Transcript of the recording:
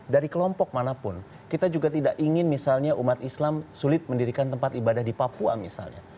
dari kelompok manapun kita juga tidak ingin misalnya umat islam sulit mendirikan tempat ibadah di papua misalnya